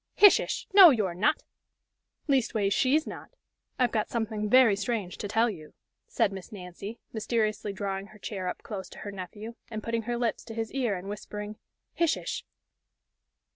"Hish ish! no you're not! leastways, she's not. I've got something very strange to tell you," said Miss Nancy, mysteriously drawing her chair up close to her nephew, and putting her lips to his ear, and whispering "Hish ish!"